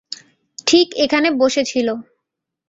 ঠিক এখানে বসে ছিল।